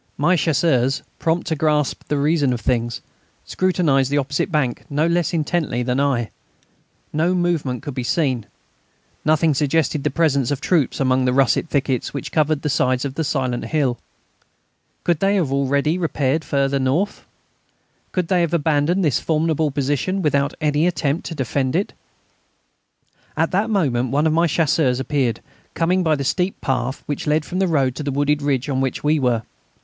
My Chasseurs, prompt to grasp the reason of things, scrutinised the opposite bank no less intently than I. No movement could be seen; nothing suggested the presence of troops among the russet thickets which covered the sides of the silent hill. Could they have already retired farther off? Could they have abandoned this formidable position without any attempt to defend it? At that moment one of my Chasseurs appeared, coming by the steep path which led from the road to the wooded ridge on which we were.